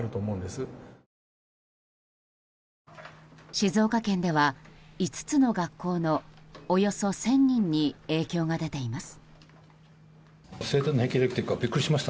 静岡県では、５つの学校のおよそ１０００人に影響が出ています。